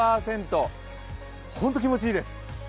ホント気持ちいいです。